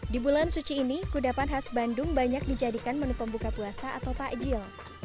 di bulan suci ini kudapan khas bandung banyak dijadikan menu pembuka puasa atau takjil